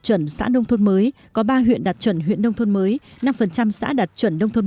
chuẩn xã nông thôn mới có ba huyện đạt chuẩn huyện nông thôn mới năm xã đạt chuẩn nông thôn